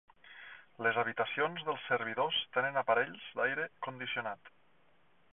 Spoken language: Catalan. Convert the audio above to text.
Les habitacions dels servidors tenen aparells d'aire condicionat.